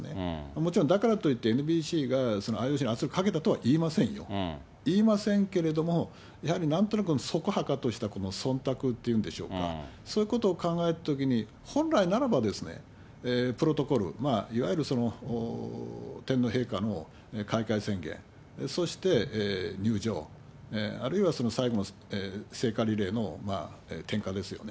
もちろん、だからと言って、ＮＢＣがＩＯＣに圧力をかけたとは言いませんよ、言いませんけれども、やはりなんとなく、そこはかとしたそんたくって言うんでしょうか、そういうことを考えたときに、本来ならば、プロトコル、いわゆる天皇陛下の開会宣言、そして入場、あるいは最後の聖火リレーの点火ですよね。